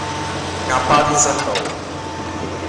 鴨巴甸新道